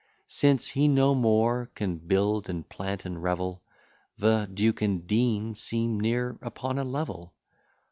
Since he no more can build, and plant, and revel, The duke and dean seem near upon a level.